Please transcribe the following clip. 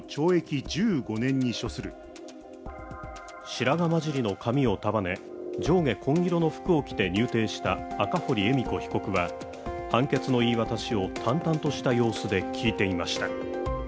白髪交じりの髪を束ね、上下紺色の服を着て入廷した赤堀恵美子被告は、判決の言い渡しを淡々とした様子で聞いていました。